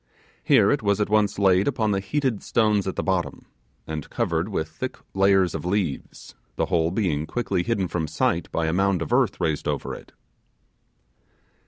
Here it was at once laid upon the heated stones at the bottom, and covered with thick layers of leaves, the whole being quickly hidden from sight by a mound of earth raised over it.